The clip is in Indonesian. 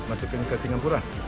masuk ke singapura